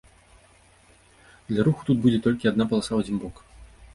Для руху тут будзе толькі адна паласа ў адзін бок.